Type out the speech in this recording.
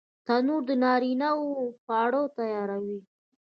تنور د نارینه وو خواړه تیاروي